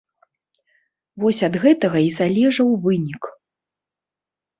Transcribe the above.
Вось ад гэтага і залежаў вынік.